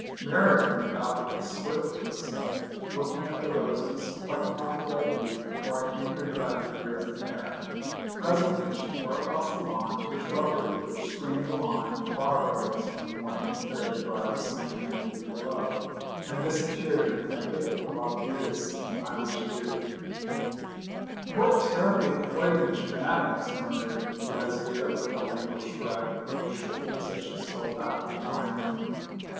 Mary roamed about with a swifter footstep, looking at the roses, plucking off a dead leaf, or a cankered bud here and there. Presently she tore across the lawn to the shrubbery which screened the lawn and flower gardens from the winding carriage drive sunk many feet below, and disappeared in a thicket of arbutus and Irish yew. 'What terribly hoydenish manners!' murmured Lesbia, with a languid shrug of her shoulders, as she strolled back to the drawing room.